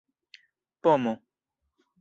pomo